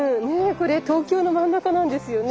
これ東京の真ん中なんですよね。